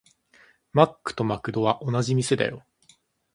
マックとマクドは同じ店だよ。